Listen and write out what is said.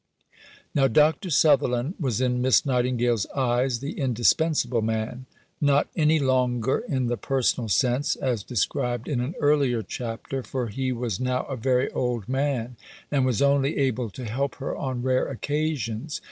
Now, Dr. Sutherland was in Miss Nightingale's eyes the indispensable man. Not any longer in the personal sense, as described in an earlier chapter; for he was now a very old man, and was only able to help her on rare occasions.